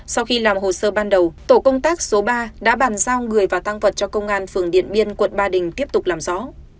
sau khi làm hồ sơ ban đầu tổ công tác số ba đã bàn giao người và tăng vật cho công an phường điện biên quận ba đình tiếp tục làm rõ